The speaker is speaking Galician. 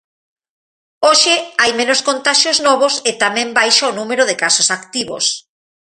Hoxe hai menos contaxios novos e tamén baixa o número de casos activos.